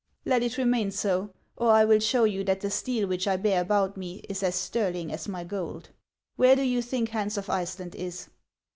" Let it remain so, or I will show you that the steel which I bear about me is as sterling as my gold. Where do you think Hans of Iceland is